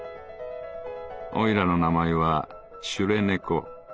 おいらの名前はシュレ猫。